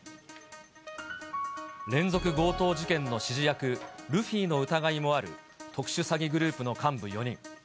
連続強盗事件の指示役、ルフィの疑いもある特殊詐欺グループの幹部４人。